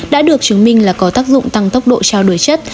đã được chứng minh là có tác dụng tăng tốc độ trao đổi chất